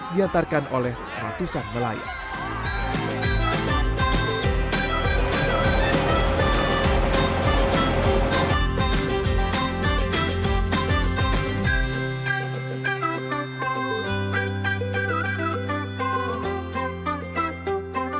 diantarkan oleh ratusan melayu